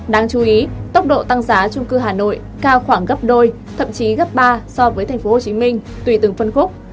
đáng chú ý tốc độ tăng giá trung cư hà nội cao khoảng gấp đôi thậm chí gấp ba so với tp hcm tùy từng phân khúc